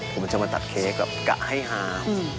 ผมจะมาตัดเค้กแบบกะให้หา